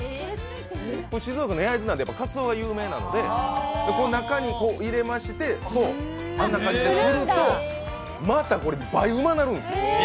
静岡の焼津なんでかつおが有名なんで中に入れまして、あんな感じで振るとまた倍うまなるんですよ。